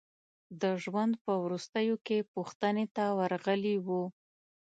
د ژوند په وروستیو کې پوښتنې ته ورغلي وو.